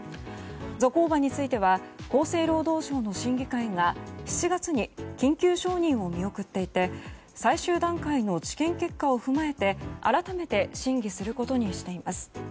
ゾコーバについては厚生労働省の審議会が７月に緊急承認を見送っていて最終段階の治験結果を踏まえて改めて審議することにしています。